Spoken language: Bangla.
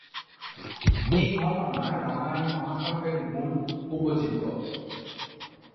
এই ঘটনা রামায়ণ মহাকাব্যের মূল উপজীব্য।